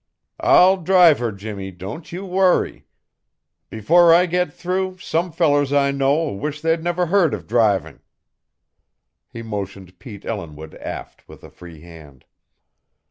"I'll drive her, Jimmie; don't you worry. Before I get through some fellers I know'll wish they'd never heard of driving." He motioned Pete Ellinwood aft with a free hand.